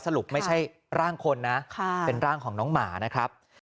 ไม่ใช่ร่างคนนะเป็นร่างของน้องหมานะครับ